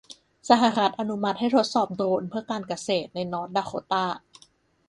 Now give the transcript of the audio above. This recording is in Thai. สหรัฐอนุมัติให้ทดสอบโดรนเพื่อการเกษตรในนอร์ทดาโคตา